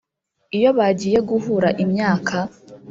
Iyo bagiye guhura imyaka,